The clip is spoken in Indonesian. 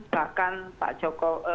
bahkan pak joko